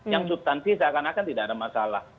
yang substansi seakan akan tidak ada masalah